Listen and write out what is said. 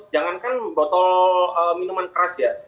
jangankan botol minuman keras ya